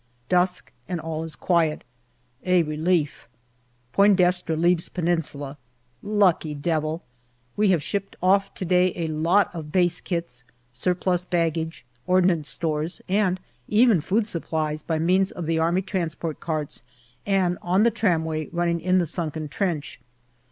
Dusk, and all is quiet. A relief. Poign Destre leaves Peninsula. Lucky devil ! We have shipped off to day a lot of base kits, surplus baggage, ordnance stores, and even food supplies, by means of the A.T. carts and on the tramway running in the sunken trench.